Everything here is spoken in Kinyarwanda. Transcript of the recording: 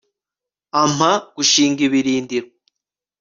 ampa gushinga ibirindiro